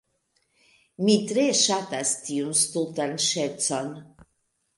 Mi tre ŝatas tiun stultan ŝercon.